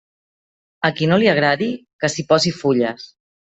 A qui no li agradi que s'hi posi fulles.